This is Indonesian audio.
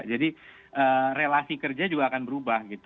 jadi relasi kerja juga akan berubah gitu